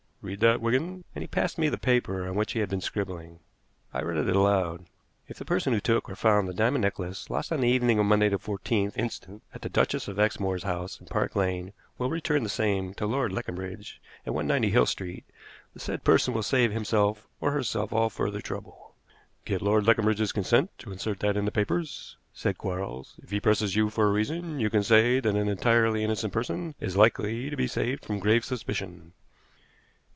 Read that, Wigan," and he passed me the paper on which he had been scribbling. I read it aloud: "If the person who took, or found, the diamond necklace lost on the evening of Monday, the 14th inst., at the Duchess of Exmoor's house, in Park Lane, will return the same to Lord Leconbridge, at 190 Hill Street, the said person will save himself or herself all further trouble." "Get Lord Leconbridge's consent to insert that in the papers," said Quarles. "If he presses you for a reason, you can say that an entirely innocent person is likely to be saved from grave suspicion."